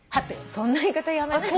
そんな言い方やめて。